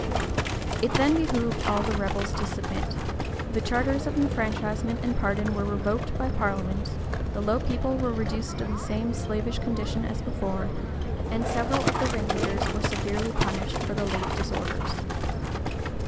[] It then behoved all the rebels to submit: the charters of enfranchisement and pardon were revoked by parliament; the low people were reduced to the same slavish condition as before; and several of the ringleaders were severely punished for the late disorders.